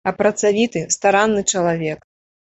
А працавіты, старанны чалавек.